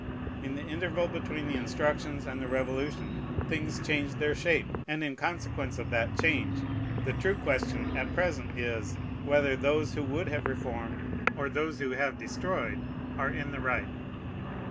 In the interval between the instructions and the Revolution things changed their shape; and in consequence of that change, the true question at present is, whether those who would have reformed or those who have destroyed are in the right.